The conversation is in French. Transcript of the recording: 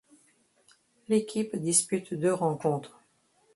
L'équipe dispute deux rencontres.